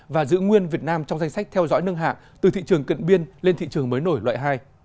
và giữ nguyên việt nam trong danh sách theo dõi nâng hạng từ thị trường cận biên lên thị trường mới nổi loại hai